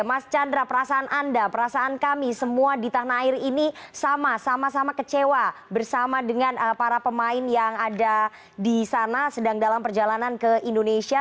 mas chandra perasaan anda perasaan kami semua di tanah air ini sama sama kecewa bersama dengan para pemain yang ada di sana sedang dalam perjalanan ke indonesia